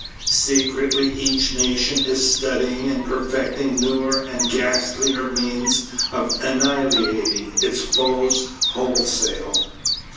Secretly each nation is studying and perfecting newer and ghastlier means of annihilating its foes wholesale.